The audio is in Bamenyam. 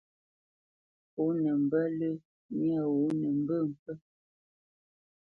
Pó nə mbə́ lə́ myâ wǒ nə mbə́ mpfə́.